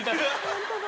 ホントだ。